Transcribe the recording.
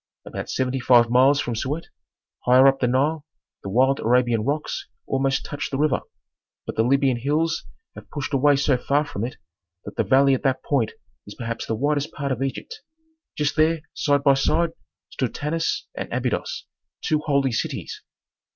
About seventy five miles from Siut, higher up the Nile, the wild Arabian rocks almost touch the river, but the Libyan hills have pushed away so far from it that the valley at that point is perhaps the widest part of Egypt. Just there, side by side, stood Tanis and Abydos, two holy cities.